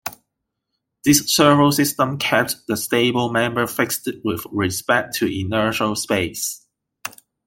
This servo system kept the stable member fixed with respect to inertial space.